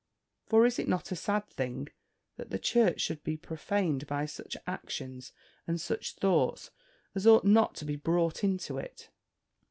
For is it not a sad thing, that the church should be profaned by such actions, and such thoughts, as ought not to be brought into it?